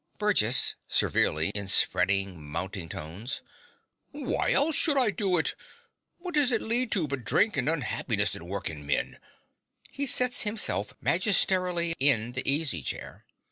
BURGESS (severely, in spreading, mounting tones). Why else should I do it? What does it lead to but drink and huppishness in workin' men? (He seats himself magisterially in the easy chair.)